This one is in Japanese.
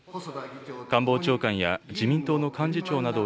官房長官や自民党の幹事長などを